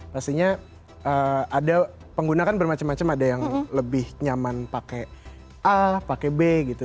pastinya ada pengguna kan bermacam macam ada yang lebih nyaman pakai a pakai b gitu